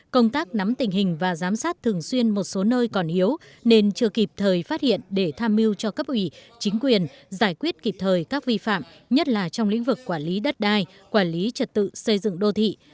công tác nắm tình hình và giám sát thường xuyên một số nơi còn yếu nên chưa kịp thời phát hiện để tham mưu cho cấp ủy chính quyền giải quyết kịp thời các vi phạm nhất là trong lĩnh vực quản lý đất đai quản lý trật tự xây dựng đô thị